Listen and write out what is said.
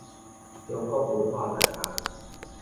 中國文化大學